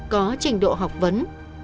có trình độ học vấn